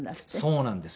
そうなんです。